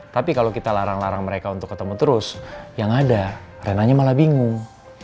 tapi kalau kita larang larang mereka untuk ketemu terus yang ada renanya malah bingung